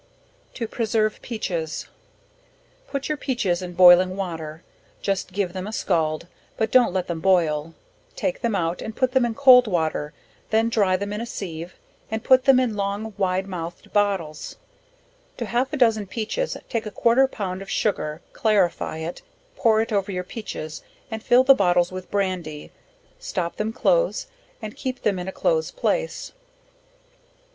To preserve Peaches. Put your peaches in boiling water, just give them a scald, but don't let them boil, take them out, and put them in cold water, then dry them in a sieve, and put them in long wide mouthed bottles: to half a dozen peaches take a quarter of a pound of sugar, clarify it, pour it over your peaches, and fill the bottles with brandy, stop them close, and keep them in a close place.